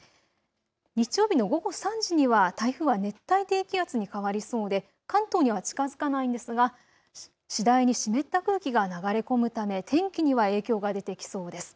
日曜日の午後３時には台風は熱帯低気圧に変わりそうで関東には近づかないんですが次第に湿った空気が流れ込むため天気には影響が出てきそうです。